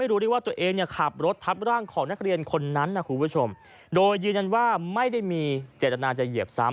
ร่างของนักเรียนคนนั้นคุณผู้ชมโดยยืนยันว่าไม่ได้มีเจตนาจะเหยียบซ้ำ